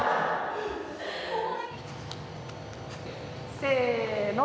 ・せの。